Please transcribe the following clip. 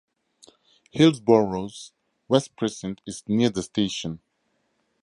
Hillsboro's West Precinct is near the station.